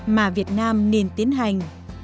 mà việt nam nên tiến hành